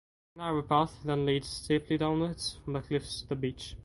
A narrow path then leads steeply downwards from the cliffs to the beach.